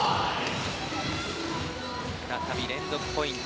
再び連続ポイント